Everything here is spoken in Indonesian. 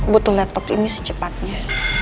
butuh laptop ini secepatnya